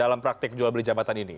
dalam praktik jual beli jabatan ini